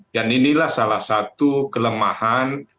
dan inilah salah satu kelemahan